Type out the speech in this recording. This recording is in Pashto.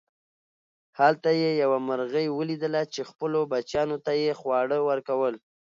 هلته یې یوه مرغۍ وليدله چې خپلو بچیانو ته یې خواړه ورکول.